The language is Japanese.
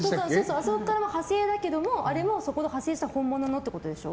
あそこから派生だけど派生した本物のってことでしょ？